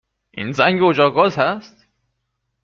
این زنگ اجاق گاز هست؟